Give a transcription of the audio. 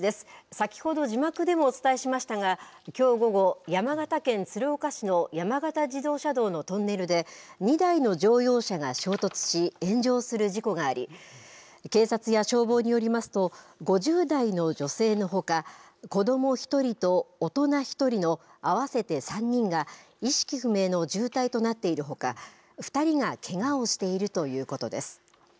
先ほど字幕でもお伝えしましたが、きょう午後、山形県鶴岡市の山形自動車道のトンネルで、２台の乗用車が衝突し、炎上する事故があり、警察や消防によりますと、５０代の女性のほか、子ども１人と大人１人の合わせて３人が、意識不明の重体となっているほか、２人がけがをしているということです。